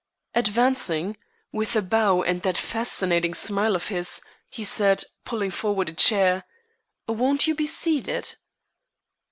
Advancing, with a bow and that fascinating smile of his, he said, pulling forward a chair: "Won't you be seated?"